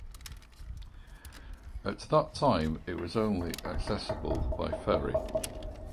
At that time it was only accessible by ferry.